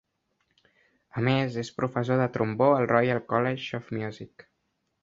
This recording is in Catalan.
A més, és professor de trombó al Royal College of Music.